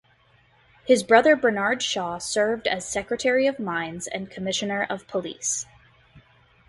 His brother Bernard Shaw served as Secretary of Mines and Commissioner of Police.